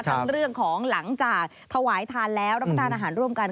ทั้งเรื่องของหลังจากถวายทานแล้วรับประทานอาหารร่วมกัน